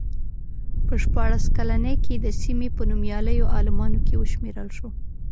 په شپاړس کلنۍ کې د سیمې په نومیالیو عالمانو کې وشمېرل شو.